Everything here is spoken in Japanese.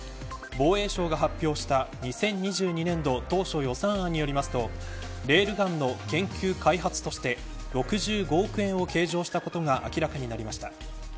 防衛省が発表した２０２２年度当初予算によりますとレールガンの研究、開発として６５億円を計上したことが明らかになりました。